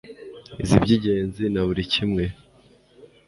izi ibyingenzi na buri kimwe